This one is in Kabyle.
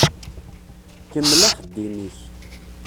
Kemmel axeddim-ik.